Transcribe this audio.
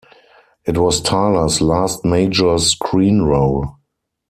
It was Tyler's last major screen role.